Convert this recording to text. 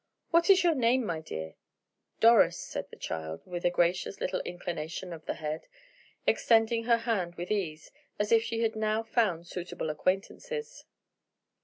"What is your name, my dear?" "Doris," said the child, with a gracious little inclination of the head, extending her hand with ease, as if she had now found suitable acquaintances.